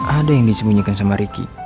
ada yang disembunyikan sama ricky